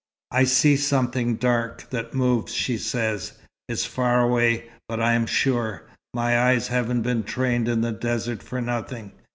"I see something dark, that moves," she said. "It's far away, but I am sure. My eyes haven't been trained in the desert for nothing.